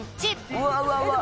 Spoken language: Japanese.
「うわうわうわ！